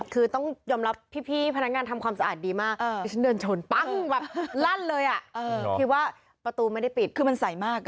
คือต้องยอมรับพี่พนักงานทำความสาธิ์ดีมาก